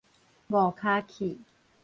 五跤氣